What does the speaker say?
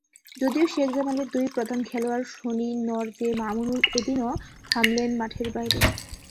যদিও শেখ জামালের দুই প্রধান খেলোয়াড় সনি নর্দে-মামুনুল এদিনও থামলেন মাঠের বাইরে।